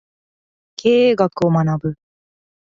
経営学を学ぶ